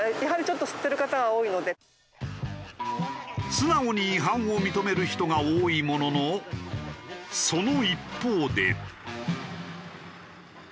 素直に違反を認める人が多いもののその一方で。